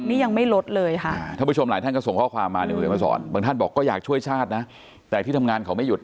พลังพิชาติบางท่านก็อยากช่วยชาตินะแต่ที่ทำงานเขาไม่หยุด